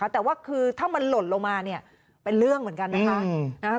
แต่ว่าคือถ้ามันหล่นลงมาเป็นเรื่องเหมือนกันนะคะ